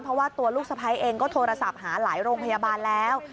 เพราะว่าตัวลูกสะพ้ายเองก็โทรศัพท์หาหลายโรงพยาบาลแล้ว